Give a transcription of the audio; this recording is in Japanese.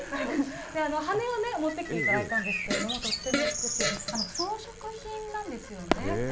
羽を持ってきていただいたんですけれども、とっても美しい、装飾品なんですよね。